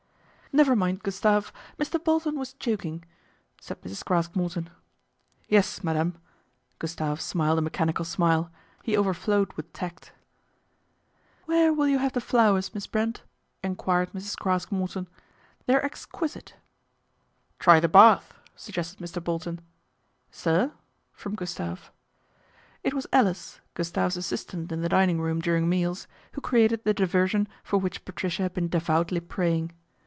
" Never mind, Gustave. Mr. Bolton was joking," said Mrs. Craske Morton. " Yes, madame." Gustave smiled a mechanical tmile : he overflowed with tact. PATRICIA'S REVENGE 61 "Where will you have the flowers, Miss Brent? " enquired Mrs. Craske Morton. "They are ex quisite." "Try the bath," suggested Mr. Bolton. "Sir?" from Gustave. It was Alice, Gustave's assistant in the dining room during meals, who created the diversion for which Patricia had been devoutly praying.